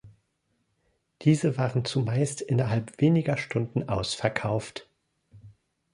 Diese waren zumeist innerhalb weniger Stunden ausverkauft.